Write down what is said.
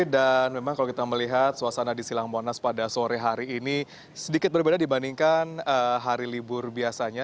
dan memang kalau kita melihat suasana di silang monas pada sore hari ini sedikit berbeda dibandingkan hari libur biasanya